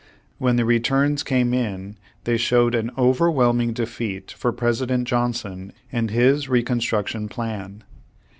When the returns came in they showed an overwhelming defeat for President Johnson and his Reconstruction plan.